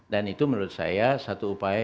itu menurut saya satu upaya